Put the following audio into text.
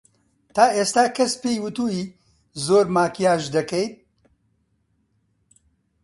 تا ئێستا کەس پێی وتووی زۆر ماکیاژ دەکەیت؟